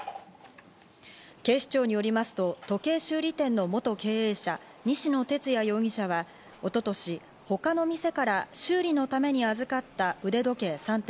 警視庁によりますと時計修理店の元経営者、西野哲也容疑者は、一昨年、他の店から修理のために預かった腕時計３点、